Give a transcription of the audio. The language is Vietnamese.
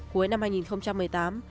cuối năm hai nghìn một mươi tám